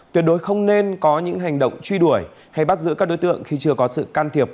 tuyệt đối không nên có những hành động truy đuổi hay bắt giữ các đối tượng khi chưa có sự can thiệp